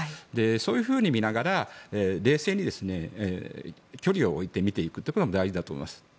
そういうふうに見ながら冷静に距離を置いて見ていくことが大事だと思います。